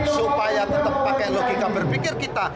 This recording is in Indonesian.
supaya tetap pakai logika berpikir kita